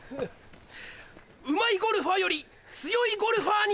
うまいゴルファーより強いゴルファーになれ。